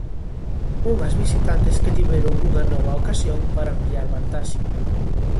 Unhas visitantes que tiveron unha nova ocasión para ampliar vantaxe.